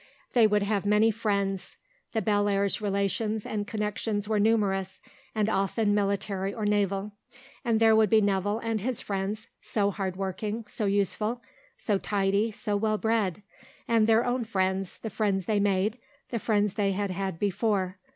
They would have many friends; the Bellairs' relations and connections were numerous, and often military or naval; and there would be Nevill and his friends, so hard working, so useful, so tidy, so well bred; and their own friends, the friends they made, the friends they had had before....